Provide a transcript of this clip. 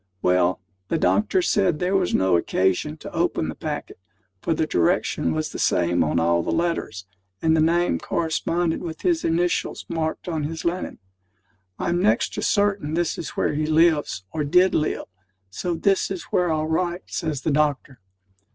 Well, the doctor said there was no occasion to open the packet, for the direction was the same on all the letters, and the name corresponded with his initials marked on his linen. "I'm next to certain this is where he lives, or did live; so this is where I'll write," says the doctor.